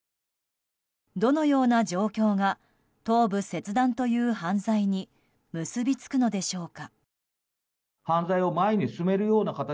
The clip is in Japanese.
どのような状況が頭部切断という犯罪に結びつくのでしょうか。